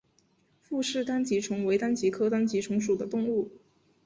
傅氏单极虫为单极科单极虫属的动物。